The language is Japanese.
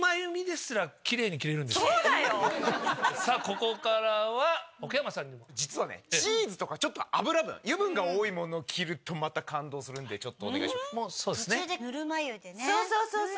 さあここからは奥山さんにも。実はねチーズとかちょっと脂分油分が多い物を切るとまた感動するんでちょっとお願いします。